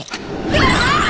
うわ！